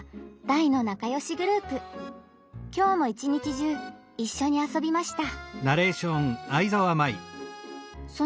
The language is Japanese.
きょうも一日中一緒に遊びました。